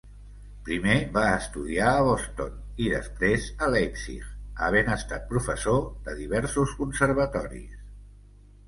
Primer va estudiar a Boston i després a Leipzig, havent estat professor de diversos Conservatoris.